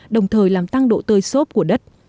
đồng thời làm tăng độ tơi sốt của đất